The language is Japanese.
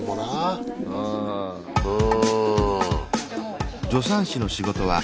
うん。